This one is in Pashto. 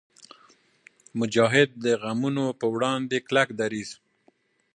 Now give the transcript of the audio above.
مجاهد د غمونو پر وړاندې کلک درېږي.